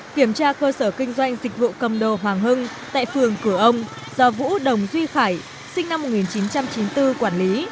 kiểm tra cơ sở kinh doanh dịch vụ cầm đồ hoàng hưng tại phường cửa ông do vũ đồng duy khải sinh năm một nghìn chín trăm chín mươi bốn quản lý